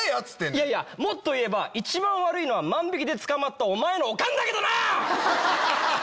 いやいやもっと言えば一番悪いのは万引きで捕まったお前のオカンだけどな‼